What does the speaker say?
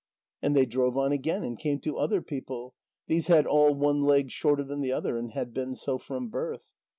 And they drove on again and came to other people; these had all one leg shorter than the other, and had been so from birth.